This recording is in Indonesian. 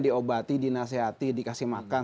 diobati dinasihati dikasih makan